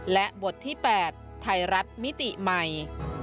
และบทที่๘ไทยรัฐมิติใหม่